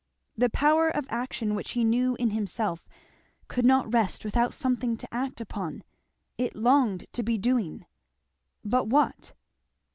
The power of action which he knew in himself could not rest without something to act upon. It longed to be doing. But what?